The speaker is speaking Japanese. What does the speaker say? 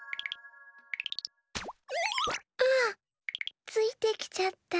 あっついてきちゃった。